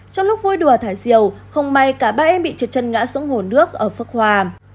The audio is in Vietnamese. trong lúc vui đùa thải diều không may cả ba em bị trượt chân ngã xuống hồ nước ở phước hòa